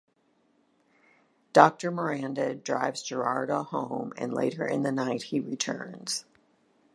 Doctor Miranda drives Gerardo home and later in the night he returns.